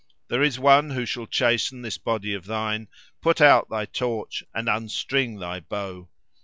There is one who shall chasten this body of thine, put out thy torch and unstring thy bow.